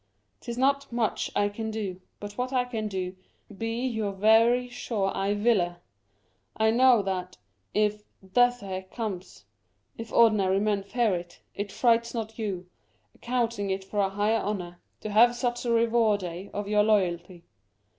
'Tis not much I can do : but what I can do, bee you verie sure I wille. I knowe that, if dethe comes, if ordinary men fear it, it frights not you, accounting it for a high honour, to have such a rewarde of your loyalty.